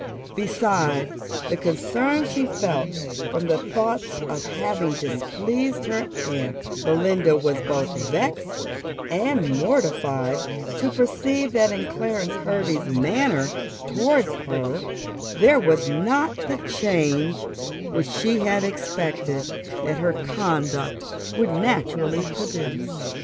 Beside the concern she felt from the thoughts of having displeased her aunt, Belinda was both vexed and mortified to perceive that in Clarence Hervey's manner towards her there was not the change which she had expected that her conduct would naturally produce.